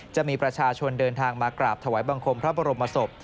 จะมีประชาชนเดินทางมากราบถวายบังคมพระบรมศพ